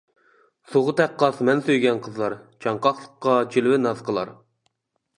سۇغا تەققاس مەن سۆيگەن قىزلار، چاڭقاقلىققا جىلۋە ناز قىلار.